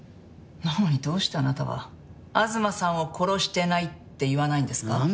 なのにどうしてあなたは東さんを殺してないって言わないんですか？